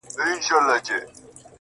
• هغې ويله ځمه د سنگسار مخه يې نيسم.